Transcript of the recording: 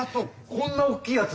こんな大きいやつ。